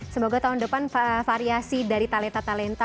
semoga tahun depan variasi dari talenta talenta